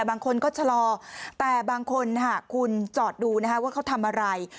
บางคนก็ชะลอแต่บางคนคุณจอดดูว่าเขาทำอะไร